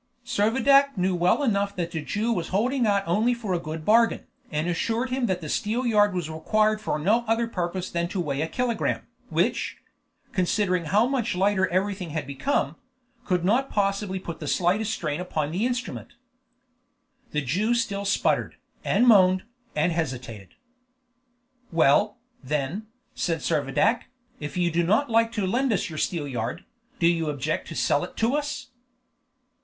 Servadac knew well enough that the Jew was holding out only for a good bargain, and assured him that the steelyard was required for no other purpose than to weigh a kilogramme, which (considering how much lighter everything had become) could not possibly put the slightest strain upon the instrument. The Jew still spluttered, and moaned, and hesitated. "Well, then," said Servadac, "if you do not like to lend us your steelyard, do you object to sell it to us?"